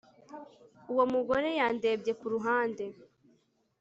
Uwo mugore yandebye kuruhande